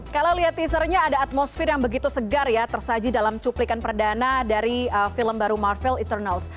kalau lihat teasernya ada atmosfer yang begitu segar ya tersaji dalam cuplikan perdana dari film baru marvel eternals